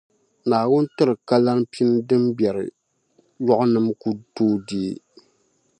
Naawuni tiri kalana pini di biɛri yɔɣunima ku tooi deei.